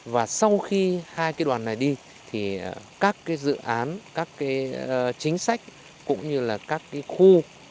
và sau khi hai cái đoàn này đi thì các cái dự án các cái chính sách cũng như là các cái khu